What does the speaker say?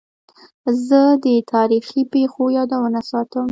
زه د تاریخي پېښو یادونه ساتم.